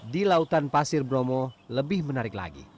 di lautan pasir bromo lebih menarik lagi